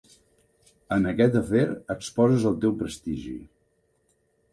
En aquest afer exposes el teu prestigi.